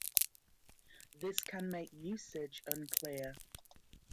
This can make usage unclear.